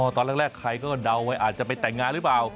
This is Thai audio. ตอนแรกใครก็เดาไว้อาจจะไปแต่งงานหรือเปล่า